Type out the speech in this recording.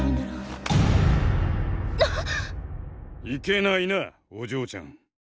いけないなおじょうちゃん。